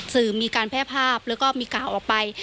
มีการแพร่ภาพแล้วก็มีข่าวออกไป